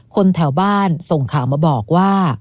คนแถวบ้านส่งข่าวมาบอกว่า